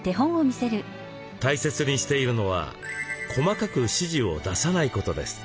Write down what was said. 大切にしているのは細かく指示を出さないことです。